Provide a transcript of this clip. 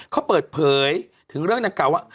เขาเปิดเผยถึงเรื่องดังกล่าวว่า